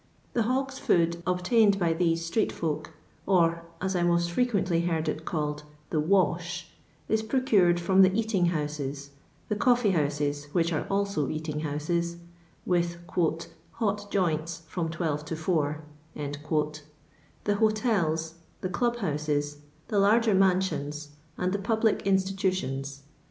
The hogs' food obtained by these street folk, or, as I most frequently heard it called, the " wash," is procured from the eating houses, the coffee houses which are also eating houses (with " hot joinU from 12 to 4 "), the hotels, the club houses, the lai^er mansions, and the public insti tutions.